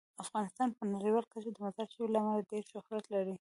افغانستان په نړیواله کچه د مزارشریف له امله ډیر شهرت لري.